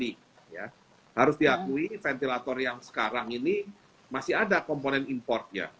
harus diakui ventilator yang sekarang ini masih ada komponen importnya